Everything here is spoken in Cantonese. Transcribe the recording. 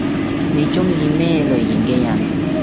你中意咩類型嘅人？